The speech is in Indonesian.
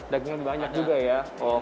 daging banyak juga ya